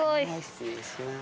失礼します。